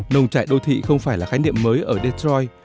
nông trại đô thị không phải là khái niệm mới ở detroit